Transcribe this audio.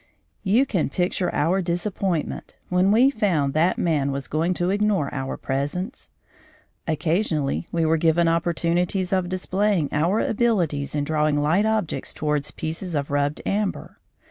You can picture our disappointment when we found that man was going to ignore our presence. Occasionally we were given opportunities of displaying our abilities in drawing light objects towards pieces of rubbed amber.